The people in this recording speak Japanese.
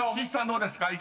どうですか？］